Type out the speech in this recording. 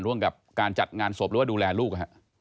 ร่วมกับการจัดงานศพหรือว่าดูแลลูก